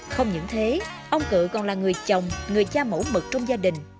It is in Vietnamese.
không những thế ông cự còn là người chồng người cha mẫu mực trong gia đình